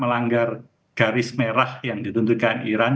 melanggar garis merah yang dituntutkan iran